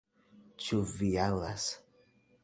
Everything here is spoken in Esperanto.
Ĉu vi aŭdas!